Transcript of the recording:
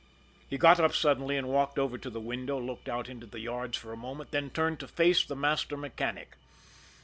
He got up suddenly and walked over to the window, looked out into the yards for a moment, then turned to face the master mechanic.